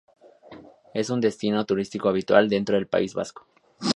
Es un destino turístico habitual dentro del País Vasco.